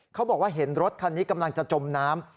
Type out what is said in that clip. เขาบอกว่าเห็นรถคันนี้กำลังจะจมน้ำ